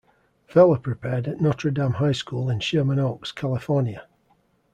Vella prepped at Notre Dame High School in Sherman Oaks, California.